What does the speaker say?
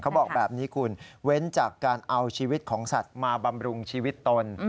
บอกแบบนี้คุณเว้นจากการเอาชีวิตของสัตว์มาบำรุงชีวิตตน